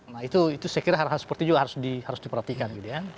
nah itu saya kira hal hal seperti itu juga harus diperhatikan